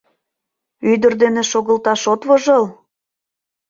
Ӱдыр дене шогылташ от вожыл!..